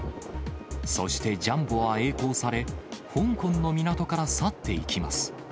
そしてジャンボはえい航され、香港の港から去っていきます。